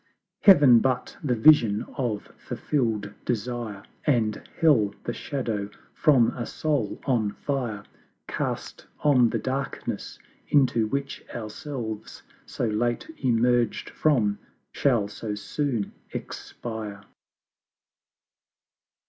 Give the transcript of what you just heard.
Heav'n but the Vision of fulfill'd Desire, And Hell the Shadow from a Soul on fire, Cast on the Darkness into which Ourselves, So late emerged from, shall so soon expire.